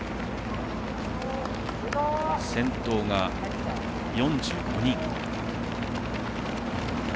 先頭が４５人。